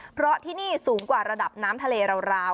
เพราะที่นี่สูงกว่าระดับน้ำทะเลราว